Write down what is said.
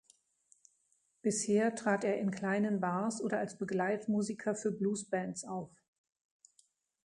Bisher trat er in kleinen Bars oder als Begleitmusiker für Bluesbands auf.